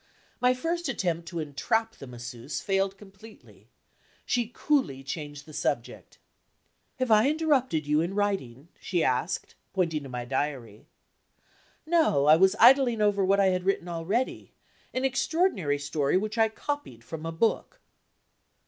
My first attempt to entrap the Masseuse failed completely. She coolly changed the subject. "Have I interrupted you in writing?" she asked, pointing to my Diary. "No; I was idling over what I have written already an extraordinary story which I copied from a book."